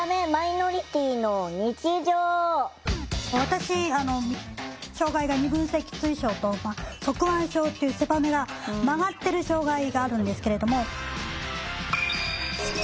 私障害が二分脊椎症と側弯症っていう背骨が曲がってる障害があるんですけれども。